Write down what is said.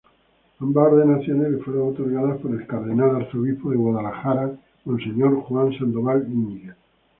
Ambas ordenaciones le fueron otorgadas por el Cardenal-Arzobispo de Guadalajara "Monseñor" Juan Sandoval Íñiguez.